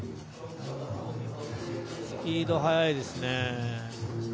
スピード速いですね。